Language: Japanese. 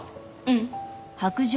うん。